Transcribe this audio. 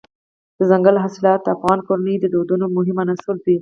دځنګل حاصلات د افغان کورنیو د دودونو مهم عنصر دی.